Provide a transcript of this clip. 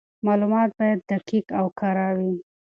معلومات باید دقیق او کره وي.